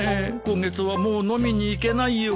今月はもう飲みに行けないよ。